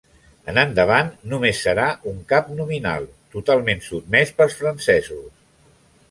En endavant només serà un cap nominal, totalment sotmès pels francesos.